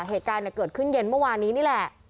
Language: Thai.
เหตุการณ์เกิดขึ้นเย็นเมื่อวานนี้นี่แหละ